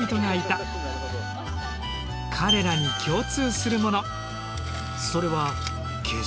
彼らに共通するもの。